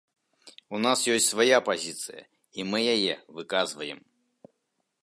У нас ёсць свая пазіцыя і мы яе выказваем.